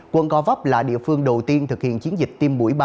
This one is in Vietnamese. quân covap là địa phương đầu tiên thực hiện chiến dịch tiêm mũi ba